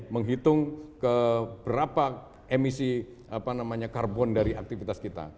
menghitung keberapa emisi karbon dari aktivitas kita